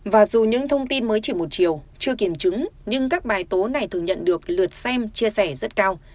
và dù những thông tin mới chỉ một chiều chưa kiểm chứng nhưng các bài tố này thường nhận được lượt xem chia sẻ rất cao